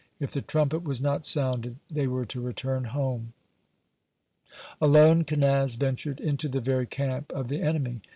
If the trumpet was not sounded, they were to return home. Alone Kenaz ventured into the very camp of the enemy.